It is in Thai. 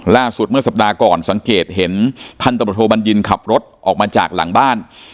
ล่าสุดเมื่อสัปดาห์ก่อนสังเกตเห็นพันธบทโทบัญญินขับรถออกมาจากหลังบ้าน